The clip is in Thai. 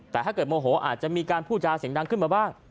แต่ถ้าเกิดโมโหอาจจะมีการพูดจาเสียงดังขึ้นมาบ้าง